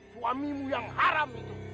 suamimu yang haram itu